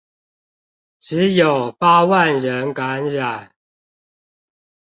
只有八萬人感染